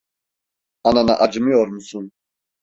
Anana acımıyor musun?